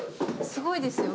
すごいですよ。